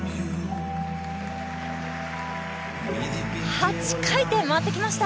８回転回ってきました。